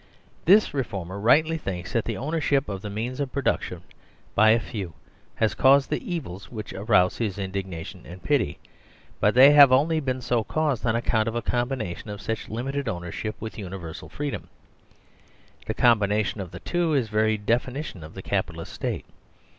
This reformer rightly thinks that the ownership of the means of production by a few has caused the evils which arouse his indignation and pity. But they have only been so caused on account of a combina tion of such limited ownership with universal free dom. The combination of the two is the very defini tion of the Capitalist State.